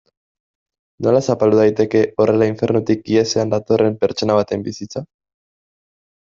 Nola zapaldu daiteke horrela infernutik ihesean datorren pertsona baten bizitza?